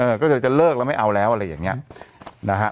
ก็จะเลิกแล้วไม่เอาแล้วอะไรอย่างเงี้ยนะฮะ